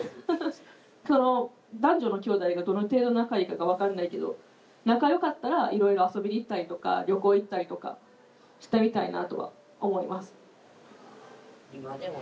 男女のきょうだいがどの程度仲いいかが分かんないけど仲よかったらいろいろ遊びに行ったりとか旅行行ったりとかしてみたいなとは思います。